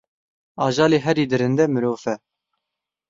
Ajalê herî dirinde, mirov e.